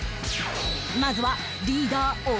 まずは